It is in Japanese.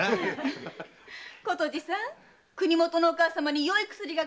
琴路さん国元のお母様によい薬が買えますね。